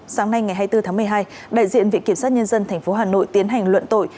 sáng nay ngày hai mươi bốn tháng một mươi hai đại diện viện kiểm sát nhân dân tp hà nội tiến hành luận tội